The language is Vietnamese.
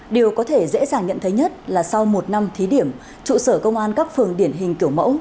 điều có thể dễ dàng nhận thấy nhất là sau một năm thí điểm trụ sở công an các phường điển hình kiểu mẫu